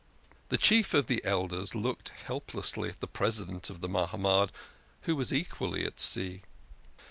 The Chief of the Elders looked helplessly at the President of the Mahamad, who was equally at sea.